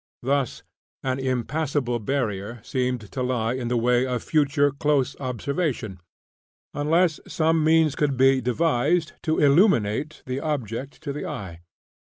Thus, an impassable barrier seemed to lie in the way of future close observation, unless some means could be devised to illuminate the object to the eye.